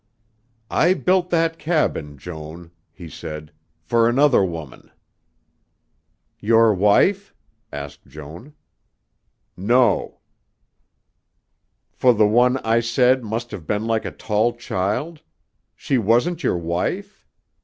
"I built that cabin, Joan," he said, "for another woman." "Your wife?" asked Joan. "No." "For the one I said must have been like a tall child? She wasn't your wife?